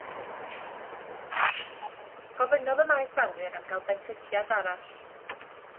Gofynnodd y Maes Awyr am gael benthyciad arall.